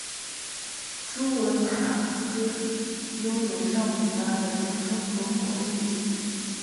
朱文塔斯拥有少女般的青春和活力。